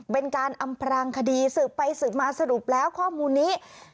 เป็นการอำพรางคดีสืบไปสืบมาสรุปแล้วข้อมูลนี้